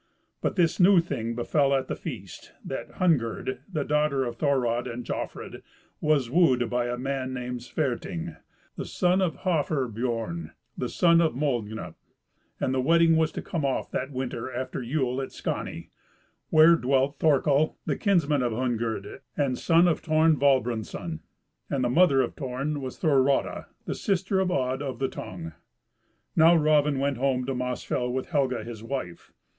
But this new thing befell at the feast, that Hungerd, the daughter of Thorod and Jofrid, was wooed by a man named Sverting, the son of Hafr Biorn, the son of Mold Gnup, and the wedding was to come off that winter after Yule, at Skaney, where dwelt Thorkel, a kinsman of Hungerd, and son of Torn Valbrandsson; and the mother of Torn was Thorodda, the sister of Odd of the Tongue. Now Raven went home to Mossfell with Helga his wife.